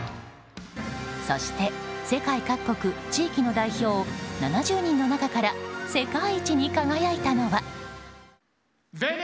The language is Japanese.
そして世界各国地域の代表７０人の中から世界一に輝いたのは。